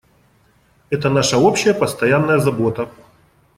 Это наша общая постоянная забота.